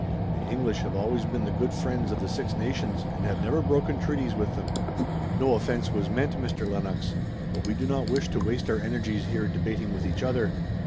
The English have always been the good friends of the Six Nations, and have never broken treaties with them." "No offense was meant, Mr. Lennox. But we do not wish to waste our energies here debating with each other.